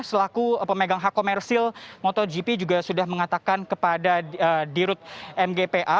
selaku pemegang hak komersil motogp juga sudah mengatakan kepada dirut mgpa